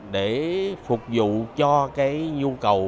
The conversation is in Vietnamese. để phục vụ cho cái nhu cầu